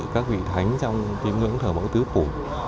các vị thánh trong tín ngưỡng thờ mẫu tứ phủ